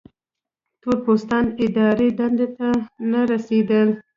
تور پوستان اداري دندو ته نه رسېدل.